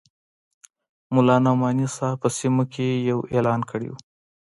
ملا نعماني صاحب په سیمو کې یو اعلان کړی وو.